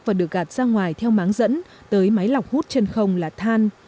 và được gạt ra ngoài theo máng dẫn tới máy lọc hút chân không là than